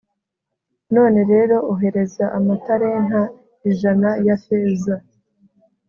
none rero, ohereza amatalenta ijana ya feza